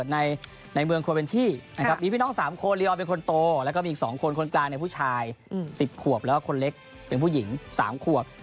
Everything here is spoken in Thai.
ในเมืองโคเวนที่นะครับมีพี่น้อง๓คนเรียอลเป็นคนโตแล้วก็มีอีก๒คนคนกลางในผู้ชาย๑๐ขวบแล้วก็คนเล็กเป็นผู้หญิง๓ขวบ